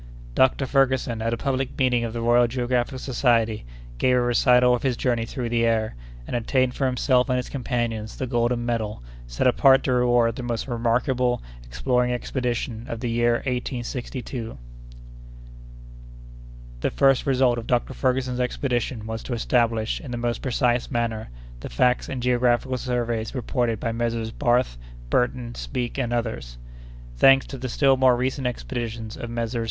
Doctor Ferguson, at a public meeting of the Royal Geographical Society, gave a recital of his journey through the air, and obtained for himself and his companions the golden medal set apart to reward the most remarkable exploring expedition of the year 1862. The first result of Dr. Ferguson's expedition was to establish, in the most precise manner, the facts and geographical surveys reported by Messrs. Barth, Burton, Speke, and others. Thanks to the still more recent expeditions of Messrs.